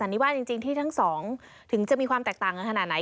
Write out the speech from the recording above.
อันนี้ว่าจริงที่ทั้งสองถึงจะมีความแตกต่างกันขนาดไหน